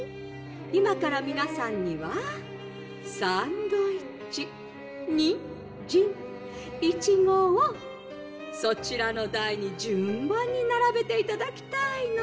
「いまからみなさんにはさんどいっちにんじんいちごをそちらのだいにじゅんばんにならべていただきたいの。